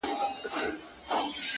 • په ګوزار یې د مرغه زړګی خبر کړ,